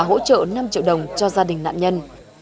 hỗ trợ năm triệu đồng cho gia đình nạn nhân